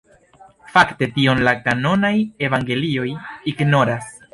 Fakte tion la kanonaj evangelioj ignoras.